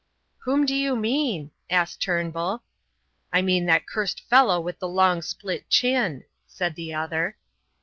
"Whom do you mean?" asked Turnbull. "I mean that cursed fellow with the long split chin," said the other.